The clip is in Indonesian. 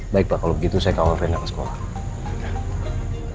baik pak kalau begitu saya keolah olah rendah ke sekolah